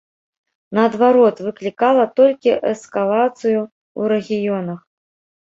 Наадварот, выклікала толькі эскалацыю ў рэгіёнах.